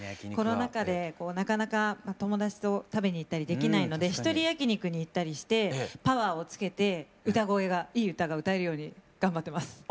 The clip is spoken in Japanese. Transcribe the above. コロナ禍でなかなか友達と食べに行ったりできないので一人焼き肉に行ったりしてパワーをつけて歌声がいい歌が歌えるように頑張ってます。